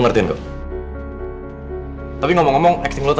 aku takut banget nih sama raja